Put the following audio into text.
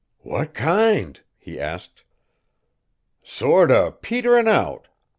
"What kind?" he asked. "Sort o' peterin' out.